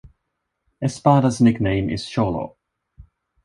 Espada's nickname is "Cholo".